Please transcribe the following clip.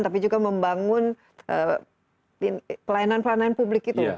tapi juga membangun pelayanan pelayanan publik itu